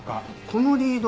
このリード